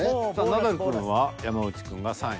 ナダルくんは山内くんが３位。